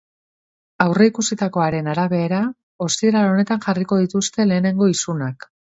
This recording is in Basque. Aurreikusitakoaren arabera, ostiral honetan jarriko dituzte lehenengo isunak.